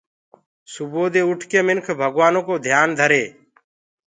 سبو سوير مِنک ڀگوآنو ڪو ڌيآن ڌري۔